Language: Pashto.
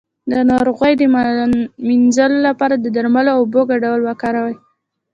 د ناروغۍ د مینځلو لپاره د درملو او اوبو ګډول وکاروئ